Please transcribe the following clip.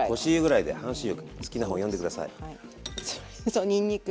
そうにんにく。